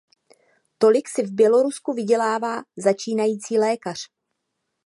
Tolik si v Bělorusku vydělá začínající lékař.